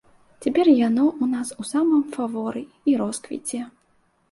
Цяпер яно ў нас у самым фаворы і росквіце.